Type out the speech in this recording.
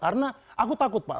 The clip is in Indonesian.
karena aku takut pak